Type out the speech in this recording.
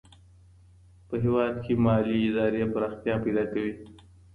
په هېواد کي مالي ادارې پراختيا پيدا کوي.